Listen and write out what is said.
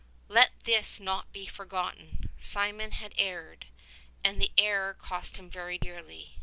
Let this not be forgotten. Simeon had erred, and the error cost him very dearly.